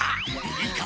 いいか？